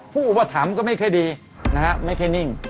พูดว่าถามก็ไม่เคยดีนะครับไม่เคยนิ่ง